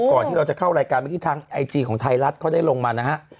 ที่เราจะเข้ารายการเมื่อกี้ทางไอจีของไทยรัฐเขาได้ลงมานะฮะ